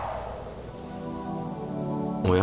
おや？